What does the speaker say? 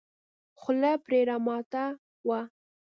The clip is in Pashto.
خوله پرې راماته وه.